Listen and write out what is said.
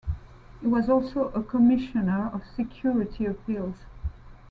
He was also a Commissioner of Security Appeals.